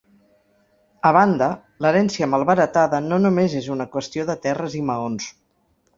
A banda, l'herència malbaratada no només és una qüestió de terres i maons.